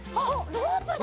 ロープだ！